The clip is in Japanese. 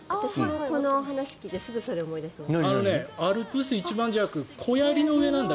このお話を聞いてすぐそれを思い出しました。